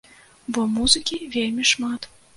Бо музыкі вельмі шмат!